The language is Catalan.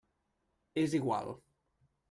És igual.